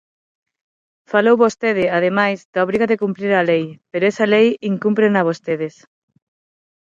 Falou vostede, ademais, da obriga de cumprir a lei, pero esa lei incúmprena vostedes.